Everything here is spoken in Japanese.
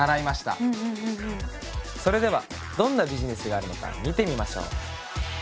それではどんなビジネスがあるのか見てみましょう！